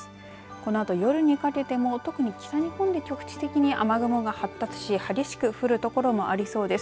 このあと夜にかけても特に北日本で局地的に雨雲が発達し激しく降るところもありそうです。